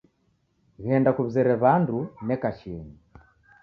Ghenda kuw'izere w'andu neka chienyi